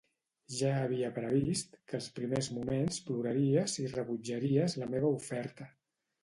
Ja havia previst que els primers moments ploraries i rebutjaries la meva oferta.